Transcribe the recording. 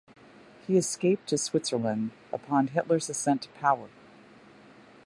He escaped to Switzerland upon Hitler's ascent to power.